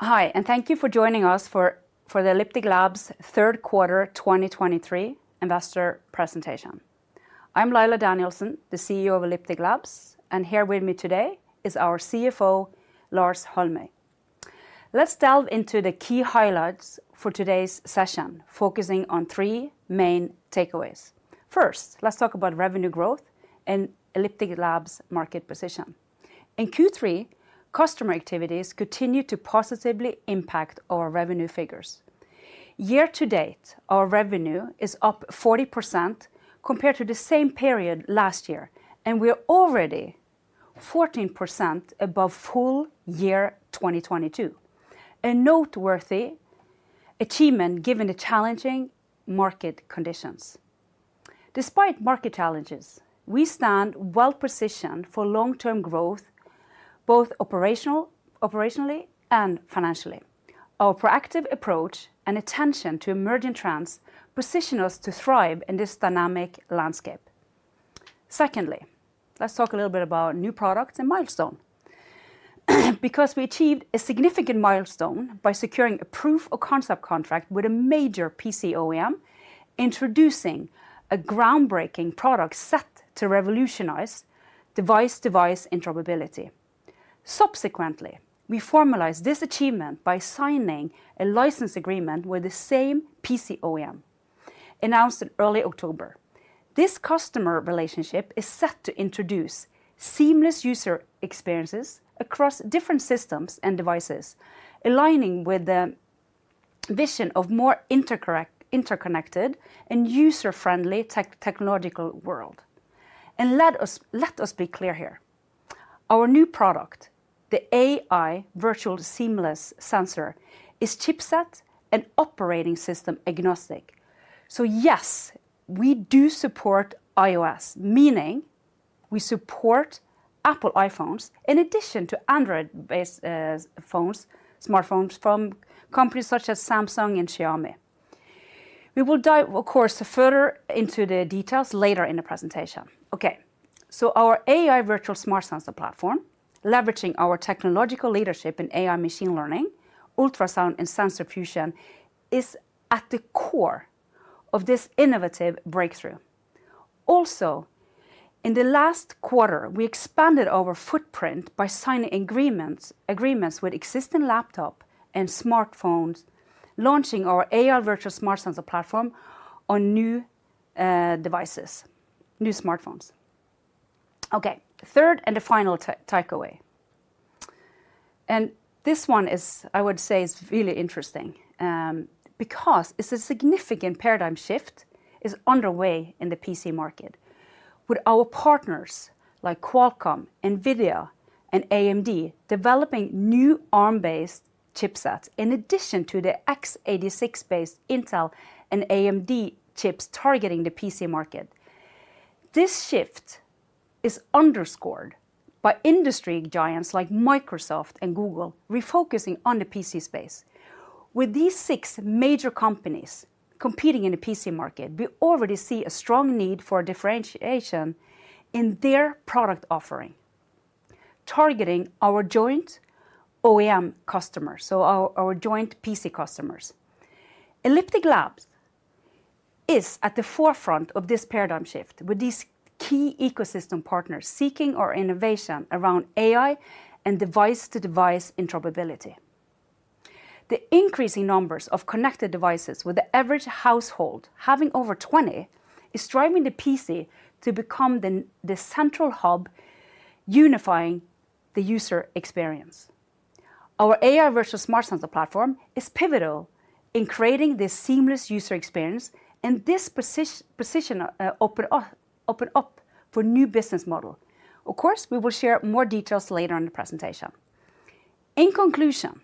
Hi, and thank you for joining us for the Elliptic Labs third quarter 2023 investor presentation. I'm Laila Danielsen, the CEO of Elliptic Labs, and here with me today is our CFO, Lars Holmøy. Let's delve into the key highlights for today's session, focusing on three main takeaways. First, let's talk about revenue growth and Elliptic Labs market position. In Q3, customer activities continued to positively impact our revenue figures. Year-to-date, our revenue is up 40% compared to the same period last year, and we are already 14% above full year 2022, a noteworthy achievement given the challenging market conditions. Despite market challenges, we stand well-positioned for long-term growth, both operational, operationally and financially. Our proactive approach and attention to emerging trends position us to thrive in this dynamic landscape. Secondly, let's talk a little bit about new products and milestone. Because we achieved a significant milestone by securing a proof of concept contract with a major PC OEM, introducing a groundbreaking product set to revolutionize device-to-device interoperability. Subsequently, we formalized this achievement by signing a license agreement with the same PC OEM, announced in early October. This customer relationship is set to introduce seamless user experiences across different systems and devices, aligning with the vision of more interconnected and user-friendly technological world. And let us, let us be clear here, our new product, the AI Virtual Seamless Sensor, is chipset and operating system agnostic. So yes, we do support iOS, meaning we support Apple iPhones in addition to Android-based phones, smartphones from companies such as Samsung and Xiaomi. We will dive, of course, further into the details later in the presentation. Okay, so our AI Virtual Smart Sensor Platform, leveraging our technological leadership in AI machine learning, ultrasound and sensor fusion, is at the core of this innovative breakthrough. Also, in the last quarter, we expanded our footprint by signing agreements with existing laptop and smartphones, launching our AI Virtual Smart Sensor Platform on new devices, new smartphones. Okay, third and the final takeaway, and this one is, I would say, is really interesting, because it's a significant paradigm shift is underway in the PC market, with our partners like Qualcomm, NVIDIA, and AMD, developing new Arm-based chipsets, in addition to the x86-based Intel and AMD chips targeting the PC market. This shift is underscored by industry giants like Microsoft and Google refocusing on the PC space. With these six major companies competing in the PC market, we already see a strong need for differentiation in their product offering, targeting our joint OEM customers, so our joint PC customers. Elliptic Labs is at the forefront of this paradigm shift, with these key ecosystem partners seeking our innovation around AI and device-to-device interoperability. The increasing numbers of connected devices, with the average household having over 20, is driving the PC to become the central hub, unifying the user experience. Our AI Virtual Smart Sensor Platform is pivotal in creating this seamless user experience, and this position open up for new business model. Of course, we will share more details later in the presentation. In conclusion,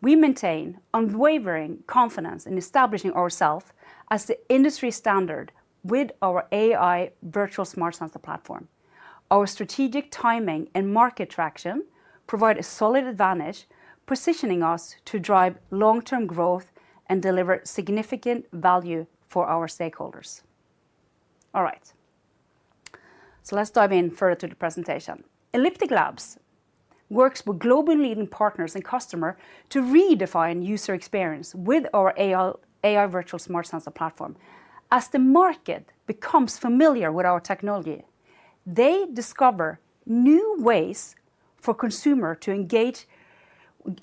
we maintain unwavering confidence in establishing ourselves as the industry standard with our AI Virtual Smart Sensor Platform. Our strategic timing and market traction provide a solid advantage, positioning us to drive long-term growth and deliver significant value for our stakeholders. All right, so let's dive in further to the presentation. Elliptic Labs works with global leading partners and customer to redefine user experience with our AI Virtual Smart Sensor Platform. As the market becomes familiar with our technology, they discover new ways for consumer to engage,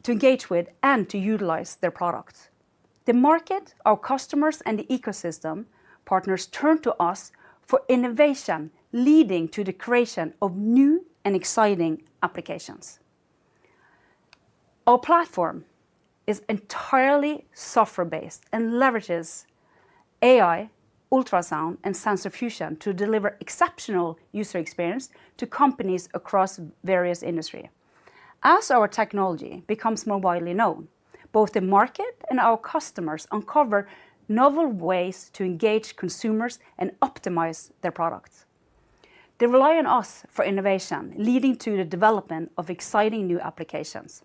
to engage with and to utilize their products. The market, our customers, and the ecosystem partners turn to us for innovation, leading to the creation of new and exciting applications. Our platform is entirely software-based and leverages AI, ultrasound, and sensor fusion to deliver exceptional user experience to companies across various industry. As our technology becomes more widely known, both the market and our customers uncover novel ways to engage consumers and optimize their products. They rely on us for innovation, leading to the development of exciting new applications.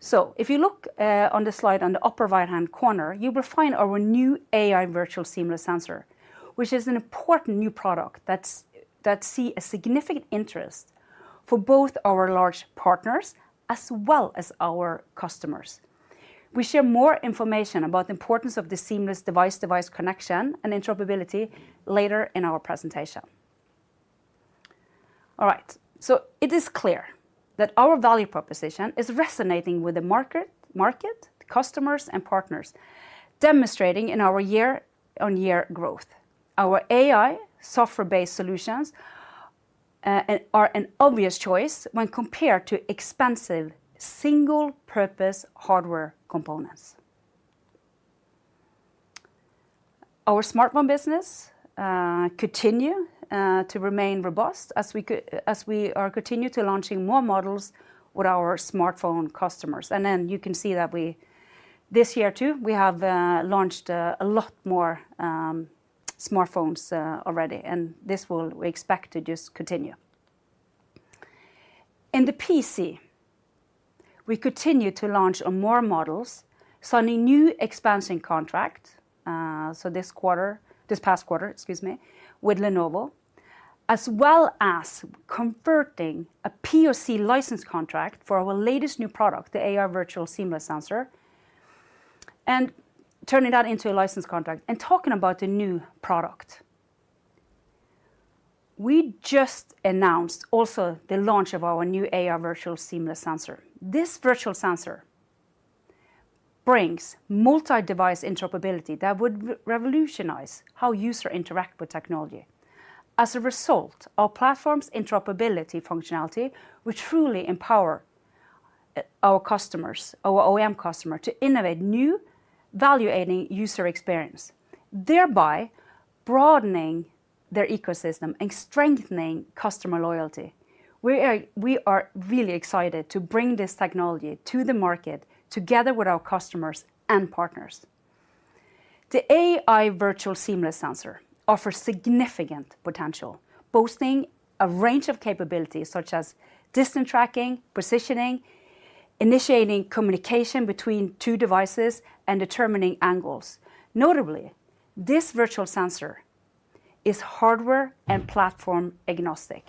So if you look on the slide on the upper right-hand corner, you will find our new AI Virtual Seamless Sensor, which is an important new product that's that sees significant interest for both our large partners as well as our customers. We share more information about the importance of the seamless device-device connection and interoperability later in our presentation. All right. So it is clear that our value proposition is resonating with the market, customers, and partners, demonstrating in our year-on-year growth. Our AI software-based solutions are an obvious choice when compared to expensive, single-purpose hardware components. Our smartphone business continue to remain robust as we as we are continue to launching more models with our smartphone customers. Then you can see that we, this year, too, we have launched a lot more smartphones already, and this will, we expect to just continue. In the PC, we continue to launch on more models, signing new expansion contract, so this quarter, this past quarter, excuse me, with Lenovo, as well as converting a POC license contract for our latest new product, the AI Virtual Seamless Sensor, and turning that into a license contract. Talking about the new product, we just announced also the launch of our new AI Virtual Seamless Sensor. This Virtual Sensor brings multi-device interoperability that would revolutionize how user interact with technology. As a result, our platform's interoperability functionality will truly empower our customers, our OEM customer, to innovate new value-adding user experience, thereby broadening their ecosystem and strengthening customer loyalty. We are really excited to bring this technology to the market together with our customers and partners. The AI Virtual Seamless Sensor offers significant potential, boasting a range of capabilities such as distance tracking, positioning, initiating communication between two devices, and determining angles. Notably, this virtual sensor is hardware and platform-agnostic,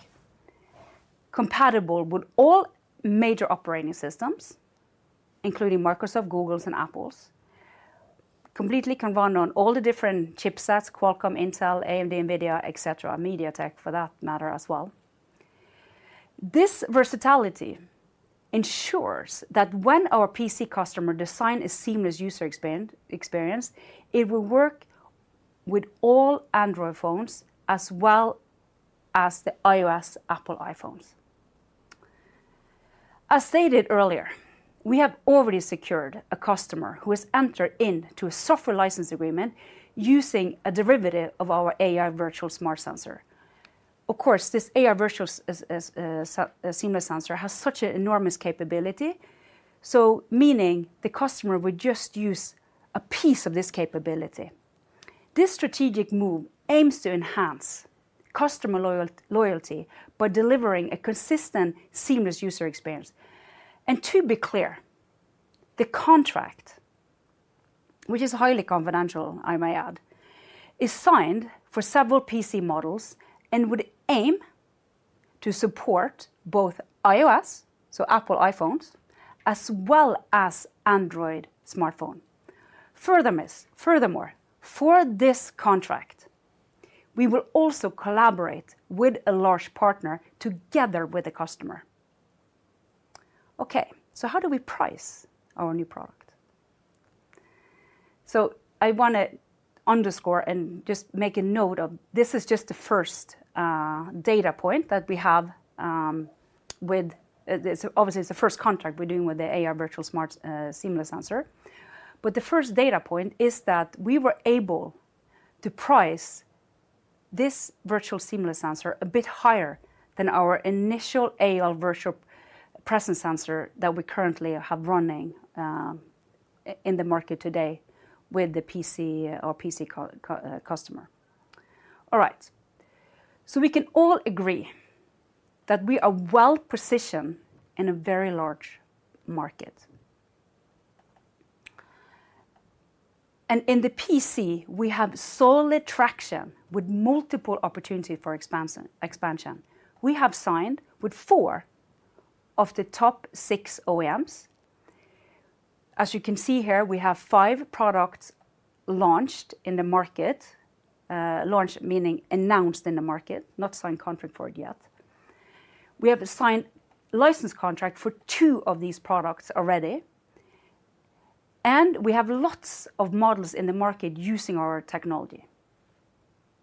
compatible with all major operating systems, including Microsoft, Google's, and Apple's. Completely can run on all the different chipsets, Qualcomm, Intel, AMD, NVIDIA, et cetera, MediaTek, for that matter, as well. This versatility ensures that when our PC customer design a seamless user experience, it will work with all Android phones as well as the iOS Apple iPhones. As stated earlier, we have already secured a customer who has entered into a software license agreement using a derivative of our AI Virtual Smart Sensor. Of course, this AI Virtual Seamless Sensor has such an enormous capability, so meaning the customer would just use a piece of this capability. This strategic move aims to enhance customer loyalty by delivering a consistent, seamless user experience. To be clear, the contract, which is highly confidential, I may add, is signed for several PC models and would aim to support both iOS, so Apple iPhones, as well as Android smartphone. Furthermore, for this contract, we will also collaborate with a large partner together with a customer. Okay, so how do we price our new product? I wanna underscore and just make a note of this is just the first data point that we have with. So obviously, it's the first contract we're doing with the AI Virtual Smart Seamless Sensor. But the first data point is that we were able to price this Virtual Seamless Sensor a bit higher than our initial AI Virtual Presence Sensor that we currently have running in the market today with the PC OEM customer. All right. So we can all agree that we are well-positioned in a very large market. And in the PC, we have solid traction with multiple opportunity for expansion. We have signed with four of the top six OEMs. As you can see here, we have five products launched in the market. Launched, meaning announced in the market, not signed contract for it yet. We have a signed license contract for two of these products already, and we have lots of models in the market using our technology.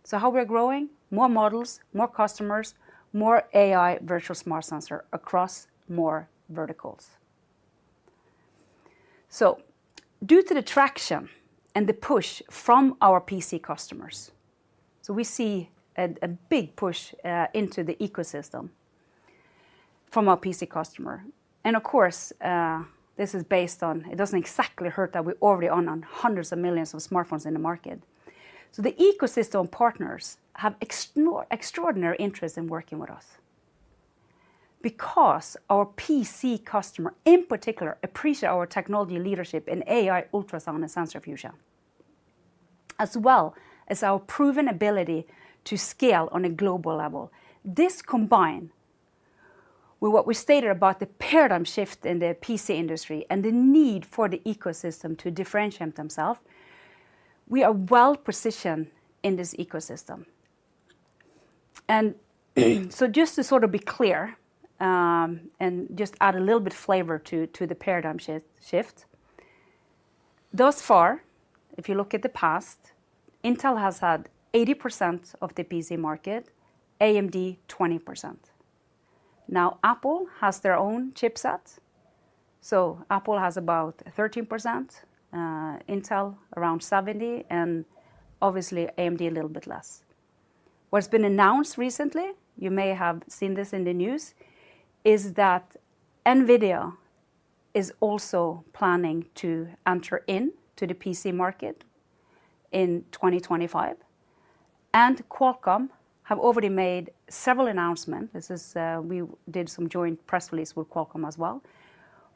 So how we are growing? More models, more customers, more AI Virtual Smart Sensor across more verticals. So due to the traction and the push from our PC customers, so we see a big push into the ecosystem from our PC customer. And of course, this is based on it doesn't exactly hurt that we already run on hundreds of millions of smartphones in the market. So the ecosystem partners have extraordinary interest in working with us because our PC customer, in particular, appreciate our technology leadership in AI ultrasonic sensor fusion, as well as our proven ability to scale on a global level. This combined with what we stated about the paradigm shift in the PC industry and the need for the ecosystem to differentiate themselves, we are well-positioned in this ecosystem. So just to sort of be clear, and just add a little bit flavor to the paradigm shift. Thus far, if you look at the past, Intel has had 80% of the PC market, AMD 20%. Now, Apple has their own chipset, so Apple has about 13%, Intel around 70%, and obviously AMD a little bit less. What's been announced recently, you may have seen this in the news, is that NVIDIA is also planning to enter into the PC market in 2025, and Qualcomm have already made several announcements. This is, we did some joint press release with Qualcomm as well,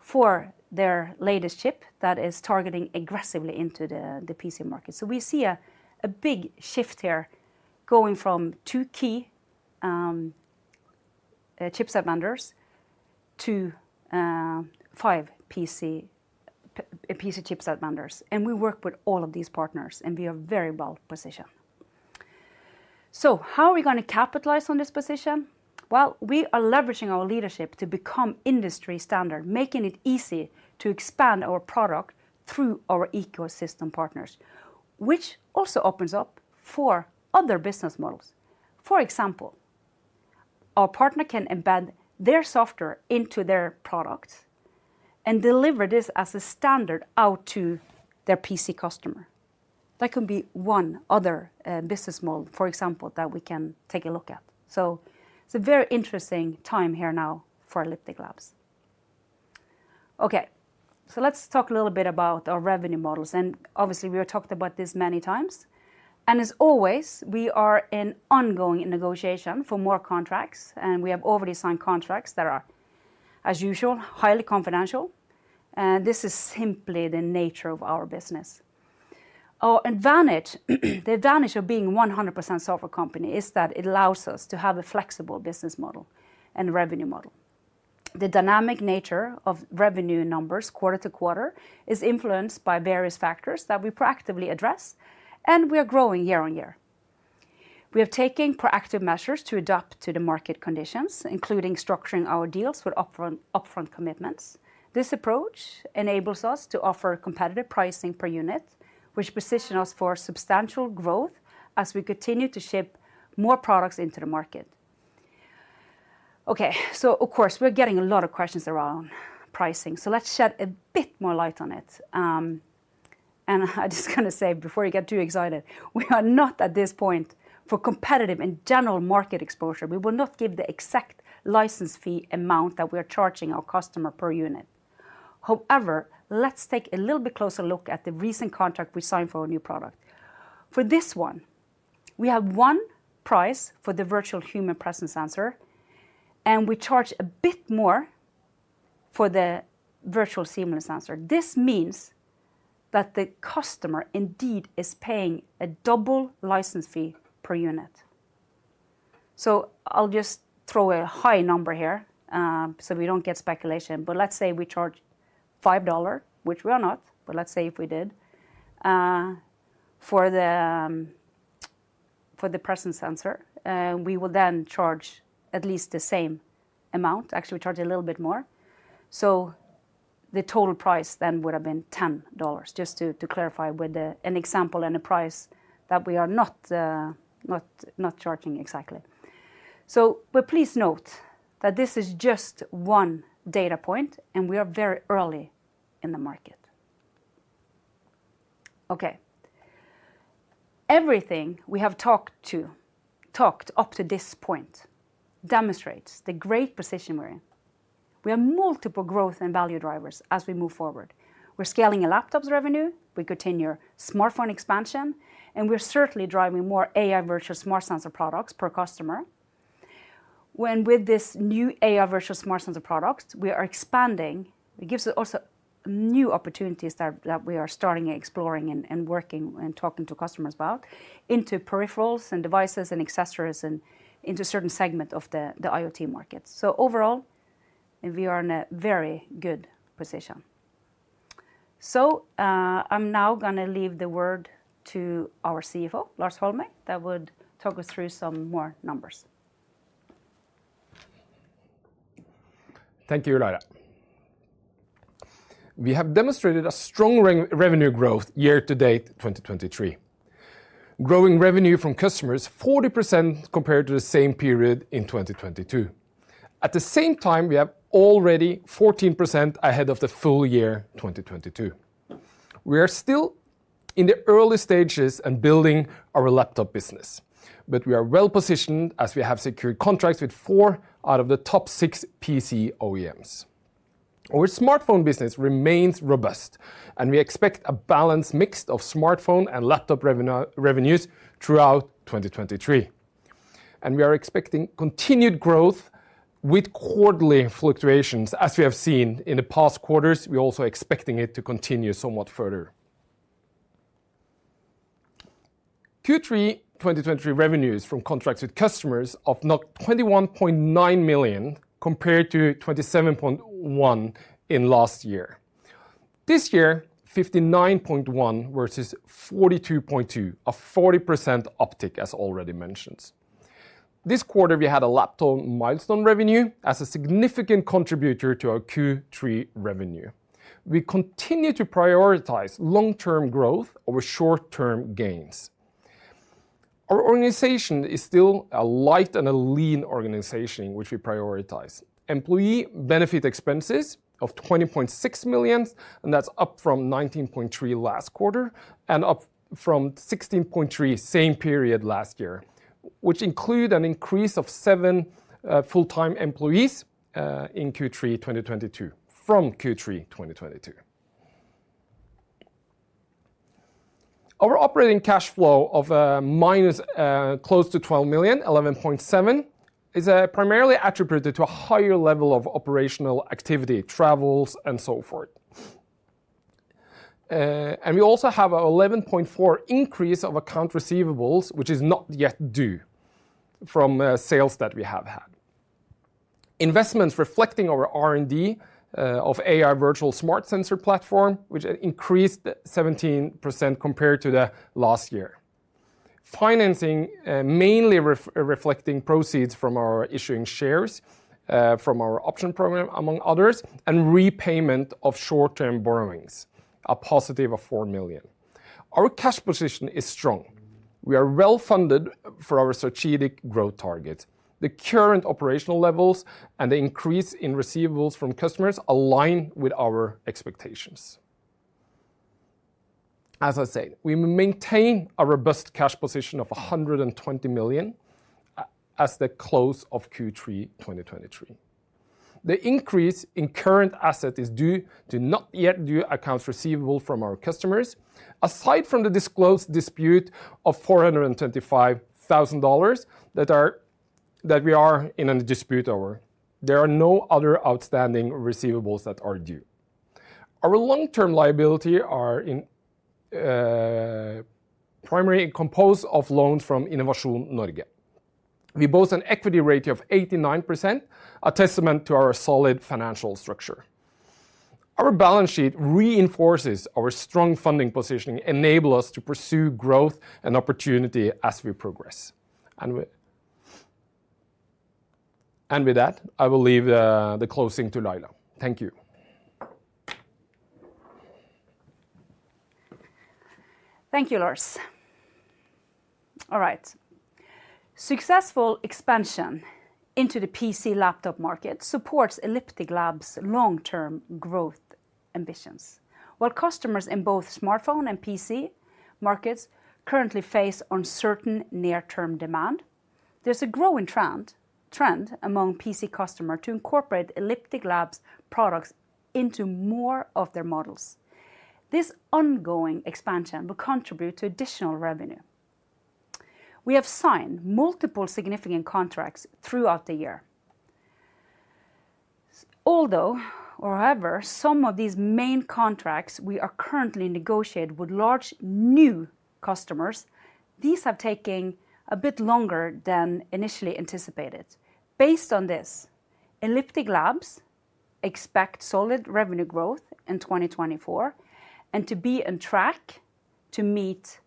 for their latest chip that is targeting aggressively into the PC market. So we see a big shift here, going from two key chipset vendors to five PC chipset vendors. We work with all of these partners, and we are very well-positioned. How are we gonna capitalize on this position? Well, we are leveraging our leadership to become industry standard, making it easy to expand our product through our ecosystem partners, which also opens up for other business models. For example, our partner can embed their software into their product and deliver this as a standard out to their PC customer. That can be one other, business model, for example, that we can take a look at. It's a very interesting time here now for Elliptic Labs. Okay, let's talk a little bit about our revenue models, and obviously, we have talked about this many times. As always, we are in ongoing negotiation for more contracts, and we have already signed contracts that are, as usual, highly confidential, and this is simply the nature of our business. Our advantage, the advantage of being 100% software company is that it allows us to have a flexible business model and revenue model. The dynamic nature of revenue numbers quarter to quarter is influenced by various factors that we proactively address, and we are growing year on year. We have taken proactive measures to adapt to the market conditions, including structuring our deals with upfront, upfront commitments. This approach enables us to offer competitive pricing per unit, which position us for substantial growth as we continue to ship more products into the market. Okay, so of course, we're getting a lot of questions around pricing, so let's shed a bit more light on it. And I just gonna say, before you get too excited, we are not at this point for competitive and general market exposure. We will not give the exact license fee amount that we are charging our customer per unit. However, let's take a little bit closer look at the recent contract we signed for our new product. For this one, we have one price for the Virtual Human Presence Sensor, and we charge a bit more for the Virtual Seamless Sensor. This means that the customer indeed is paying a double license fee per unit. So I'll just throw a high number here, so we don't get speculation, but let's say we charge $5, which we are not, but let's say if we did, for the presence sensor, we will then charge at least the same amount. Actually, we charge a little bit more. So the total price then would have been $10, just to, to clarify with, an example and a price that we are not, not, not charging exactly. So, but please note that this is just one data point, and we are very early in the market. Okay. Everything we have talked up to this point demonstrates the great position we're in. We have multiple growth and value drivers as we move forward. We're scaling our laptops revenue, we continue our smartphone expansion, and we're certainly driving more AI Virtual Smart Sensor products per customer. When with this new AI Virtual Smart Sensor products, we are expanding. It gives us also new opportunities that we are starting exploring and working and talking to customers about, into peripherals and devices and accessories and into certain segments of the IoT market. So overall, we are in a very good position. So, I'm now gonna leave the word to our CFO, Lars Holmøy, that would talk us through some more numbers. Thank you, Laila. We have demonstrated a strong revenue growth year to date, 2023. Growing revenue from customers 40% compared to the same period in 2022. At the same time, we are already 14% ahead of the full year, 2022. We are still in the early stages in building our laptop business, but we are well-positioned as we have secured contracts with four out of the top six PC OEMs. Our smartphone business remains robust, and we expect a balanced mix of smartphone and laptop revenues throughout 2023. We are expecting continued growth with quarterly fluctuations. As we have seen in the past quarters, we are also expecting it to continue somewhat further. Q3 2023 revenues from contracts with customers of 21.9 million, compared to 27.1 million in last year. This year, 59.1 million versus 42.2 million, a 40% uptick, as already mentioned. This quarter, we had a laptop milestone revenue as a significant contributor to our Q3 revenue. We continue to prioritize long-term growth over short-term gains. Our organization is still a light and a lean organization, which we prioritize. Employee benefit expenses of 20.6 million, and that's up from 19.3 million last quarter, and up from 16.3 million same period last year, which include an increase of seven full-time employees in Q3 2022, from Q3 2022. Our operating cash flow of minus close to 12 million, 11.7 million, is primarily attributed to a higher level of operational activity, travels, and so forth. And we also have an 11.4 million increase of accounts receivable, which is not yet due from sales that we have had. Investments reflecting our R&D of AI Virtual Smart Sensor Platform, which increased 17% compared to the last year. Financing, mainly reflecting proceeds from our issuing shares from our option program, among others, and repayment of short-term borrowings, a positive of 4 million. Our cash position is strong. We are well-funded for our strategic growth target. The current operational levels and the increase in receivables from customers align with our expectations. As I said, we maintain a robust cash position of 120 million as the close of Q3 2023. The increase in current asset is due to not yet due accounts receivable from our customers. Aside from the disclosed dispute of $425,000 that we are in a dispute over, there are no other outstanding receivables that are due. Our long-term liability are in primarily composed of loans from Innovasjon Norge. We boast an equity ratio of 89%, a testament to our solid financial structure. Our balance sheet reinforces our strong funding position, enable us to pursue growth and opportunity as we progress. And with that, I will leave the closing to Laila. Thank you. Thank you, Lars. All right. Successful expansion into the PC laptop market supports Elliptic Labs' long-term growth ambitions. While customers in both smartphone and PC markets currently face uncertain near-term demand, there's a growing trend among PC customer to incorporate Elliptic Labs products into more of their models. This ongoing expansion will contribute to additional revenue. We have signed multiple significant contracts throughout the year. Although, or however, some of these main contracts we are currently negotiating with large new customers, these have taken a bit longer than initially anticipated. Based on this, Elliptic Labs expect solid revenue growth in 2024, and to be on track to meet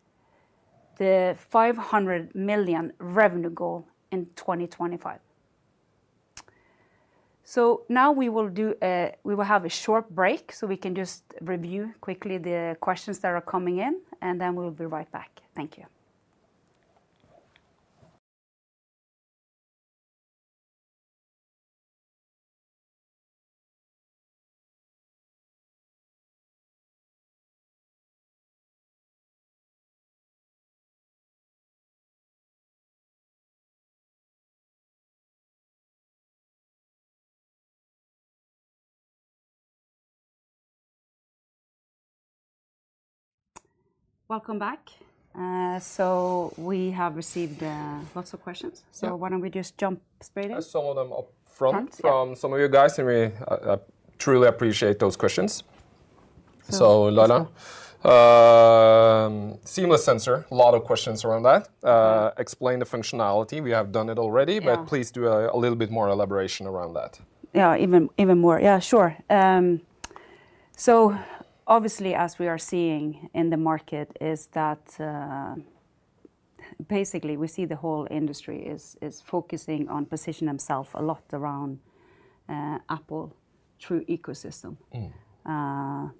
the 500 million revenue goal in 2025. So now we will have a short break, so we can just review quickly the questions that are coming in, and then we'll be right back. Thank you. Welcome back. So we have received lots of questions, so why don't we just jump straight in? Some of them up front- Front, yeah... from some of you guys, and we truly appreciate those questions. So- Laila, Seamless Sensor, a lot of questions around that. Mm-hmm. Explain the functionality. We have done it already. Yeah... but please do a little bit more elaboration around that. Yeah, even more. Yeah, sure. So obviously, as we are seeing in the market, is that basically, we see the whole industry is focusing on positioning themselves a lot around Apple true ecosystem. Mm.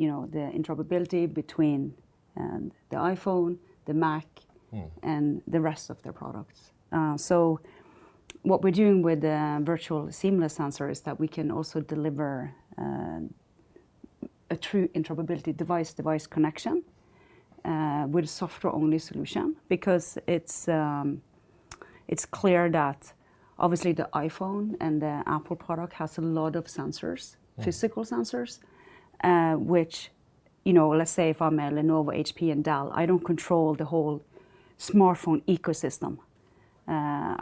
You know, the interoperability between the iPhone, the Mac- Mm... and the rest of their products. So what we're doing with the Virtual Seamless Sensor is that we can also deliver a true interoperability device, device connection, with a software-only solution. Because it's clear that obviously, the iPhone and the Apple product has a lot of sensors- Mm... physical sensors, which, you know, let's say if I'm a Lenovo, HP, and Dell, I don't control the whole smartphone ecosystem.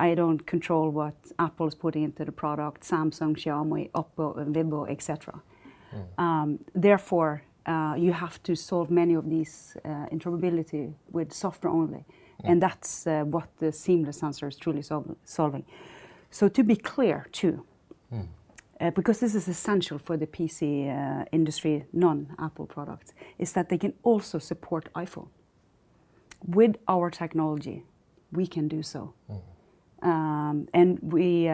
I don't control what Apple is putting into the product, Samsung, Xiaomi, Oppo, and Vivo, et cetera. Mm. Therefore, you have to solve many of these interoperability with software only- Mm. - and that's what the Seamless Sensor is truly solving. So to be clear, too- Mm... because this is essential for the PC industry, non-Apple products, is that they can also support iPhone. With our technology, we can do so. Mm. And we,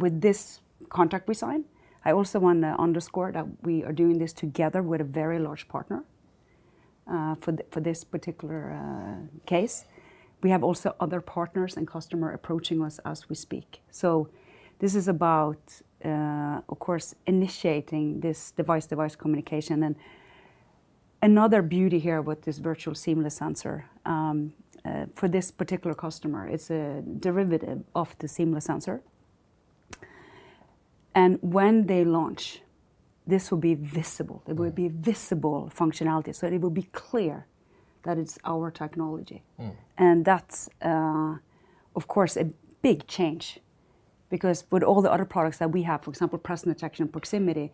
with this contract we sign, I also want to underscore that we are doing this together with a very large partner, for this particular case. We have also other partners and customer approaching us as we speak. So this is about, of course, initiating this device-device communication. And another beauty here with this Virtual Seamless Sensor, for this particular customer, it's a derivative of the Seamless Sensor, and when they launch, this will be visible. Mm. It will be visible functionality, so it will be clear that it's our technology. Mm. That's, of course, a big change because with all the other products that we have, for example, presence detection and proximity,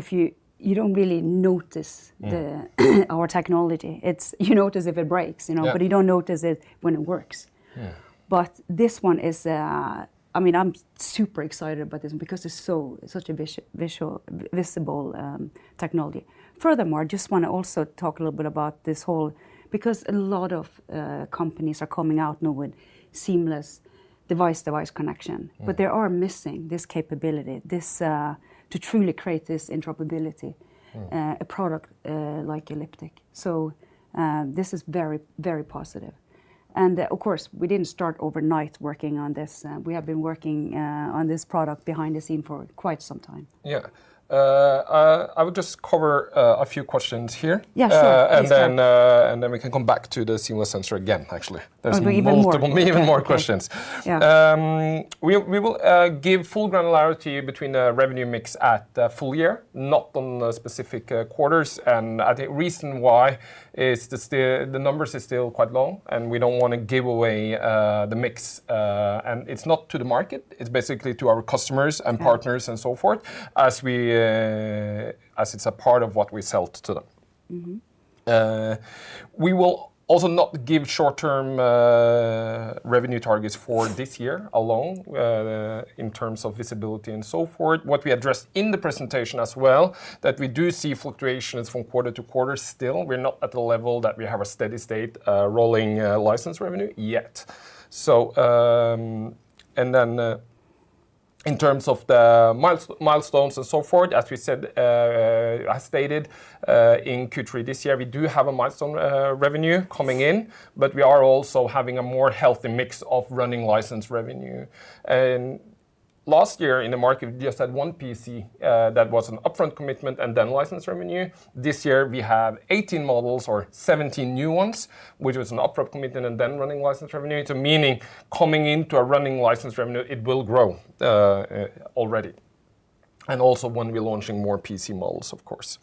if you... You don't really notice... Mm... our technology. It's you notice if it breaks, you know- Yeah... but you don't notice it when it works. Yeah. But this one is, I mean, I'm super excited about this one because it's so, such a visual, visible technology. Furthermore, I just want to also talk a little bit about this whole because a lot of companies are coming out now with seamless device-device connection- Mm... but they are missing this capability, this, to truly create this interoperability- Mm... a product like Elliptic. So, this is very, very positive. And, of course, we didn't start overnight working on this. We have been working on this product behind the scene for quite some time. Yeah. I would just cover a few questions here. Yeah, sure. Please do. And then we can come back to the Seamless Sensor again, actually. Oh, even more. There's multiple, even more questions. Yeah. We will give full granularity between the revenue mix at full year, not on the specific quarters. I think reason why is the still, the numbers are still quite low, and we don't want to give away the mix. And it's not to the market, it's basically to our customers and partners- Mm... and so forth, as we, as it's a part of what we sell to them. Mm-hmm. We will also not give short-term revenue targets for this year alone, in terms of visibility and so forth. What we addressed in the presentation as well, that we do see fluctuations from quarter to quarter still. We're not at the level that we have a steady state, rolling license revenue yet. And then, in terms of the milestones and so forth, as we said, as stated, in Q3 this year, we do have a milestone revenue coming in, but we are also having a more healthy mix of running license revenue. And last year in the market, we just had one PC that was an upfront commitment and then license revenue. This year, we have 18 models or 17 new ones, which was an upfront commitment and then running license revenue. To meaning, coming into a running license revenue, it will grow, already, and also when we're launching more PC models, of course.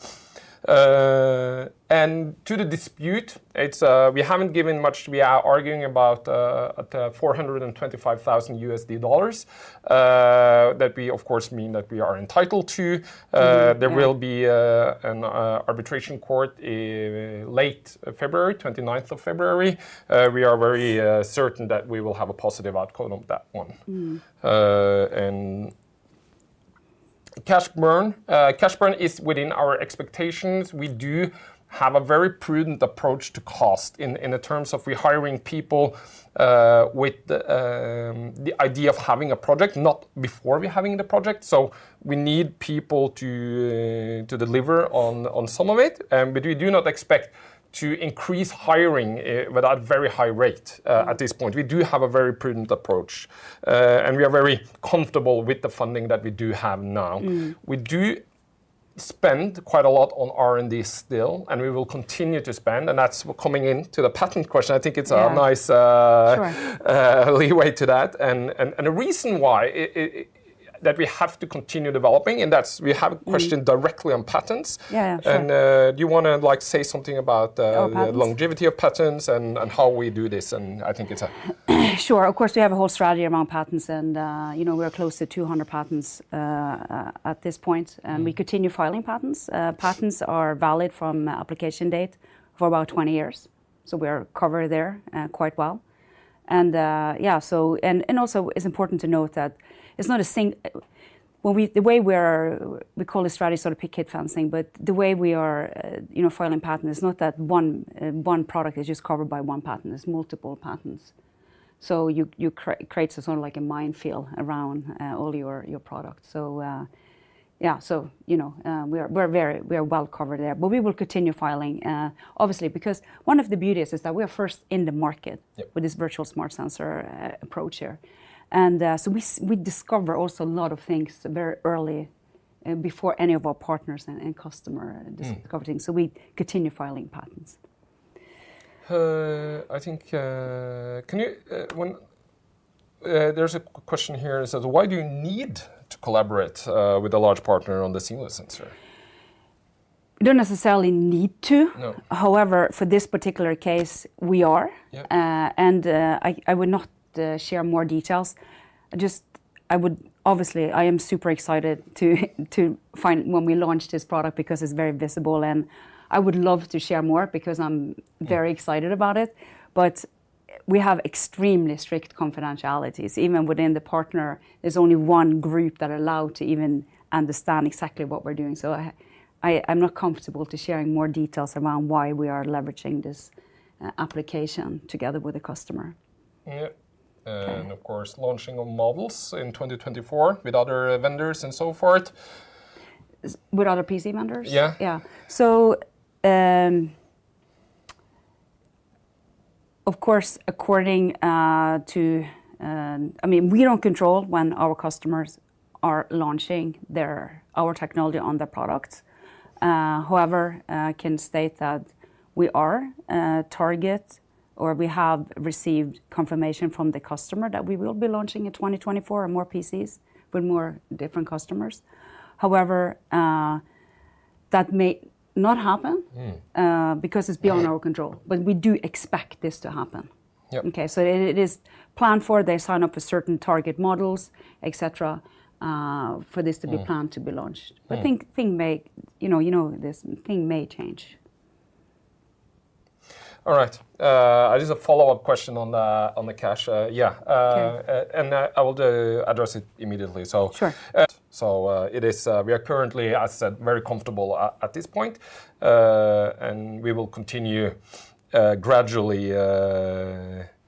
And to the dispute, it's, we haven't given much. We are arguing about $425,000 that we, of course, mean that we are entitled to. Mm-hmm. There will be an arbitration court in late February, 29th of February. We are very certain that we will have a positive outcome of that one. Mm. And cash burn. Cash burn is within our expectations. We do have a very prudent approach to cost in the terms of we're hiring people with the idea of having a project, not before we're having the project. So we need people to deliver on some of it, but we do not expect to increase hiring without very high rate at this point. We do have a very prudent approach, and we are very comfortable with the funding that we do have now. Mm. We do spend quite a lot on R&D still, and we will continue to spend, and that's coming into the patent question. Yeah. I think it's a nice. Sure... leeway to that. And the reason why that we have to continue developing, and that's we have- Mm... a question directly on patents. Yeah, sure. Do you wanna, like, say something about? Oh, patents... longevity of patents and how we do this? And I think it's... Sure. Of course, we have a whole strategy around patents, and you know, we are close to 200 patents at this point. Mm. We continue filing patents. Patents are valid from application date for about 20 years, so we're covered there, quite well. Also, it's important to note that it's not a single—when we—the way we are, we call it strategy sort of picket fencing, but the way we are, you know, filing patent, it's not that one product is just covered by one patent. There's multiple patents. So you create a sort of like a minefield around all your products. Yeah, so you know, we are well-covered there. But we will continue filing, obviously, because one of the beauties is that we are first in the market- Yep... with this Virtual Smart Sensor approach here. So we discover also a lot of things very early and before any of our partners and customer- Mm... discover things, so we continue filing patents. I think there's a question here. It says, "Why do you need to collaborate with a large partner on the Seamless Sensor?... We don't necessarily need to. No. However, for this particular case, we are. Yeah. I would not share more details. Obviously, I am super excited to find when we launch this product because it's very visible, and I would love to share more because I'm very excited about it. But we have extremely strict confidentialities. Even within the partner, there's only one group that are allowed to even understand exactly what we're doing. So I'm not comfortable to sharing more details around why we are leveraging this application together with the customer. Yeah. Okay. Of course, launching of models in 2024 with other vendors and so forth. Is with other PC vendors? Yeah. Yeah. So, of course, I mean, we don't control when our customers are launching their-our technology on their products. However, I can state that we have received confirmation from the customer that we will be launching in 2024 more PCs with more different customers. However, that may not happen- Mm. because it's beyond our control. Right. But we do expect this to happen. Yep. Okay, so it is planned for. They sign up for certain target models, et cetera, for this to be- Mm... planned to be launched. Right. But thing may, you know this, thing may change. All right. Just a follow-up question on the, on the cash. Yeah. Okay. And I will address it immediately. Sure... So, it is, we are currently, as I said, very comfortable at this point. And we will continue gradually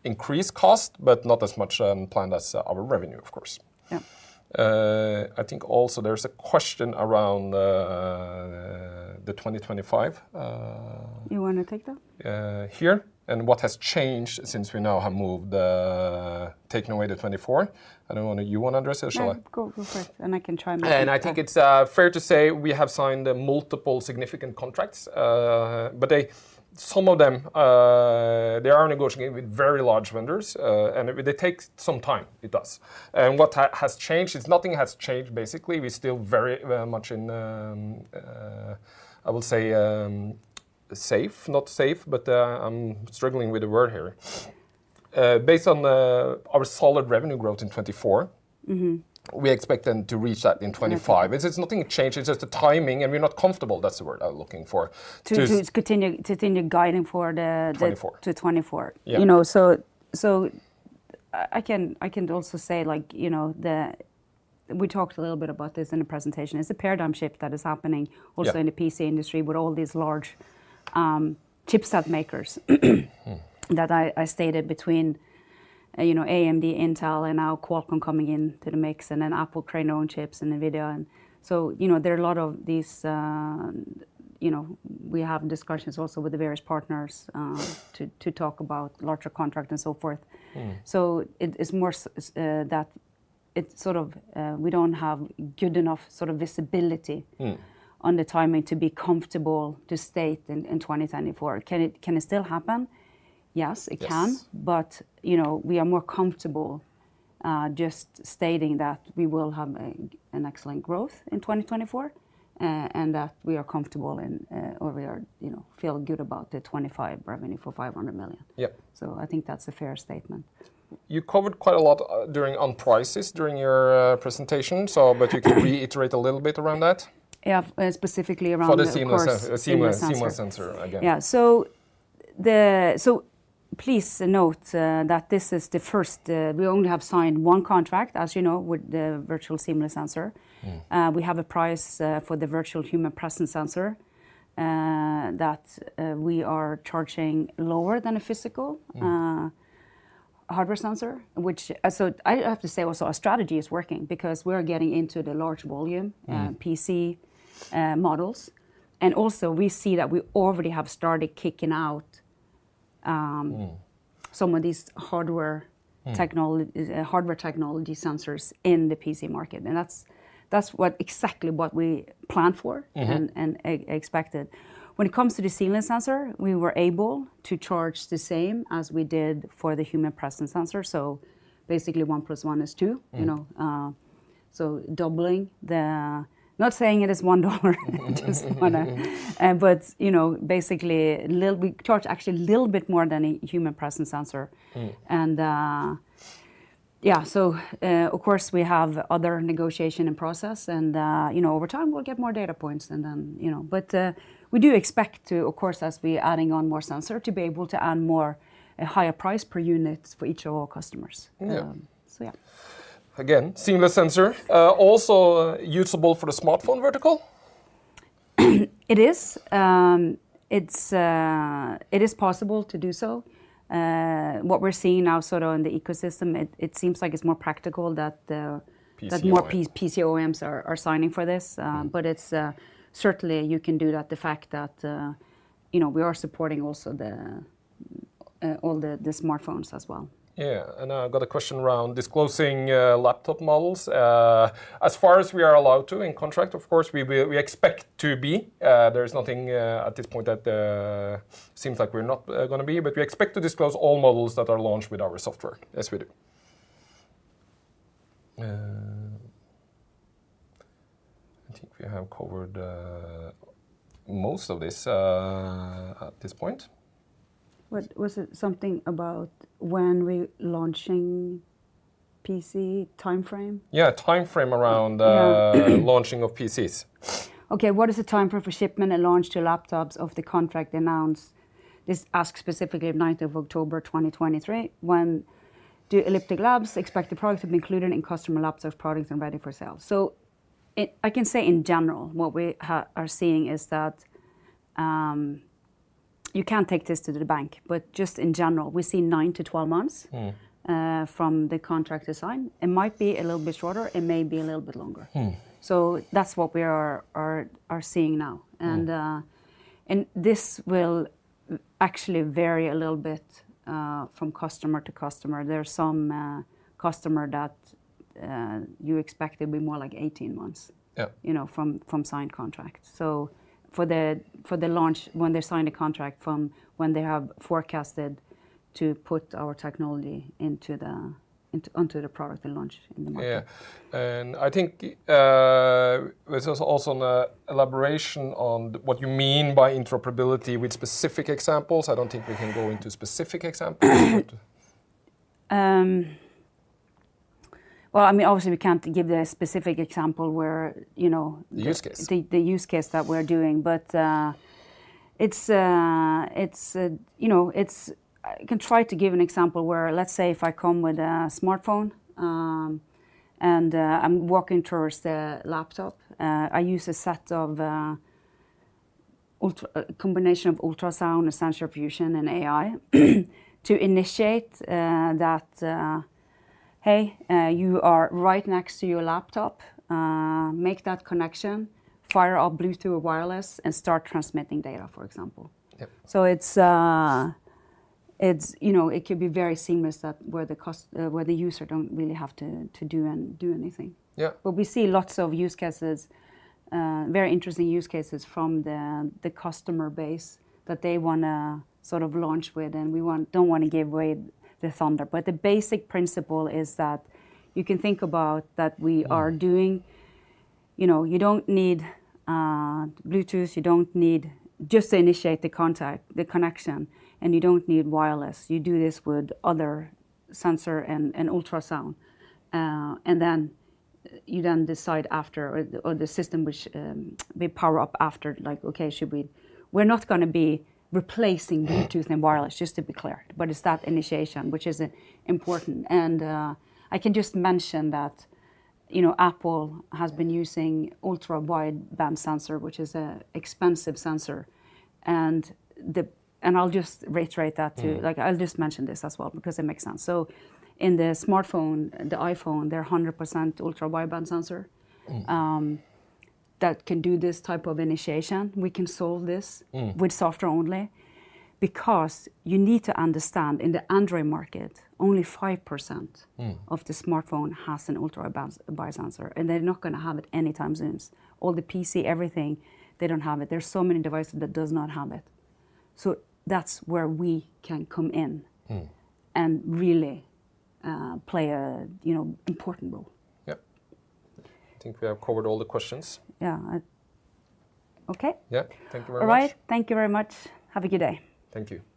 increase cost, but not as much planned as our revenue, of course. Yeah. I think also there's a question around the 2025. You wanna take that? What has changed since we now have moved, taken away the 2024? I don't know, you want to address it, or shall I? No, go, go for it, and I can chime in. I think it's fair to say we have signed multiple significant contracts. But they, some of them, they are negotiating with very large vendors, and it, they take some time. It does. And what has changed is nothing has changed, basically. We're still very much in, I will say, safe... not safe, but, I'm struggling with the word here. Based on our solid revenue growth in 2024- Mm-hmm... we expect then to reach that in 2025. Mm-hmm. It's nothing changed. It's just the timing, and we're not comfortable. That's the word I was looking for, to- To continue guiding for the 2024.... to 2024. Yeah. You know, so I can also say, like, you know, the... We talked a little bit about this in the presentation. It's a paradigm shift that is happening- Yeah... also in the PC industry with all these large, chipset makers Mm. That I stated between, you know, AMD, Intel, and now Qualcomm coming into the mix, and then Apple creating their own chips and NVIDIA. And so, you know, there are a lot of these, you know. We have discussions also with the various partners to talk about larger contract and so forth. Mm. So it's more that it's sort of we don't have good enough sort of visibility- Mm... on the timing to be comfortable to state in 2024. Can it still happen? Yes, it can. Yes. But, you know, we are more comfortable just stating that we will have an excellent growth in 2024, and that we are comfortable and, or we are, you know, feel good about the 2025 revenue for 500 million. Yep. I think that's a fair statement. You covered quite a lot on prices during your presentation, so but you can reiterate a little bit around that? Yeah, specifically around, of course- For the seamless Sen-... Seamless Sensor The Seamless sensor again. So please note that this is the first. We only have signed one contract, as you know, with the Virtual Seamless Sensor. Mm. We have a price for the Virtual Human Presence Sensor that we are charging lower than a physical- Mm ... hardware sensor, which, so I have to say also our strategy is working because we are getting into the large volume- Mm... PC models. And also, we see that we already have started kicking out, Mm... some of these hardware technology- Mm... hardware technology sensors in the PC market, and that's exactly what we planned for- Mm-hmm... and expected. When it comes to the Seamless Sensor, we were able to charge the same as we did for the Human Presence Sensor, so basically one plus one is two. Mm. You know, not saying it is $1 just wanna... but, you know, basically little, we charge actually a little bit more than a human presence sensor. Mm. Yeah, so, of course, we have other negotiation and process and, you know, over time, we'll get more data points and then, you know. But we do expect to, of course, as we adding on more sensor, to be able to add more, a higher price per unit for each of our customers. Yeah. So yeah. Again, Seamless Sensor, also usable for the smartphone vertical? It is. It is possible to do so. What we're seeing now sort of in the ecosystem, it seems like it's more practical that the- PC OEMs... that more PC OEMs are signing for this. Mm. But it's certainly you can do that, the fact that, you know, we are supporting also all the smartphones as well. Yeah, and, I've got a question around disclosing laptop models. As far as we are allowed to in contract, of course, we will- we expect to be. There is nothing at this point that seems like we're not gonna be, but we expect to disclose all models that are launched with our software, as we do.... I think we have covered most of this at this point. Was it something about when we launching PC timeframe? Yeah, timeframe around Yeah... launching of PCs. Okay, what is the timeframe for shipment and launch to laptops of the contract announced? This asks specifically of ninth of October, 2023, when do Elliptic Labs expect the product to be included in customer laptops of products and ready for sale? So, I can say in general, what we are seeing is that, you can't take this to the bank, but just in general, we see nine to 12 months- Mm. From the contract to sign. It might be a little bit shorter, it may be a little bit longer. Mm. So that's what we are seeing now. Mm. This will actually vary a little bit from customer to customer. There are some customer that you expect it'll be more like 18 months- Yeah... you know, from signed contract. So for the launch, when they sign a contract from when they have forecasted to put our technology onto the product and launch in the market. Yeah. I think there's also an elaboration on what you mean by interoperability with specific examples. I don't think we can go into specific examples, but... Well, I mean, obviously, we can't give the specific example where, you know- Use case... the use case that we're doing, but it's, you know, it's... I can try to give an example where, let's say, if I come with a smartphone, and I'm walking towards the laptop, I use a set of, a combination of ultrasound, sensor fusion, and AI, to initiate that, "Hey, you are right next to your laptop. Make that connection, fire up Bluetooth or wireless, and start transmitting data," for example. Yep. It's, you know, it could be very seamless where the user don't really have to do anything. Yeah. But we see lots of use cases, very interesting use cases from the customer base, that they wanna sort of launch with, and we don't wanna give away the thunder. But the basic principle is that you can think about that we are doing. You know, you don't need Bluetooth, you don't need just to initiate the contact, the connection, and you don't need wireless. You do this with other sensor and ultrasound. And then, you then decide after or the system, which we power up after, like, okay, should we-- we're not gonna be replacing Bluetooth and wireless, just to be clear, but it's that initiation which is important. And I can just mention that, you know, Apple has been using ultra-wideband sensor, which is an expensive sensor, and I'll just reiterate that, too. Yeah. Like, I'll just mention this as well, because it makes sense. So in the smartphone, the iPhone, they're 100% ultra-wideband sensor- Mm ... that can do this type of initiation. We can solve this- Mm... with software only. Because you need to understand, in the Android market, only 5%- Mm... of the smartphone has an ultra-wideband sensor, and they're not gonna have it anytime soon. All the PC, everything, they don't have it. There are so many devices that does not have it, so that's where we can come in- Mm... and really, play a, you know, important role. Yep. I think we have covered all the questions. Yeah, I... Okay. Yep. Thank you very much. All right. Thank you very much. Have a good day. Thank you.